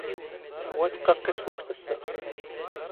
ⴰⵡⴰ ⵜⵇⵇⴰⵇⵇⵉ ⵜⴼⵓⴽⵜ ⴰⵙⵙ ⴰ.